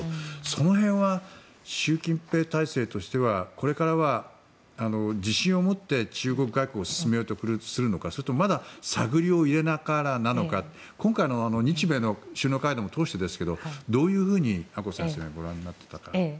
その辺は、習近平体制としてはこれからは自信を持って中国外交を進めようとするのかそれともまだ探りを入れながらなのか今回の日米の首脳会談を通してですけどどういうふうに阿古先生はご覧になっていますか？